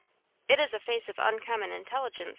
"It is a face of uncommon intelligence!"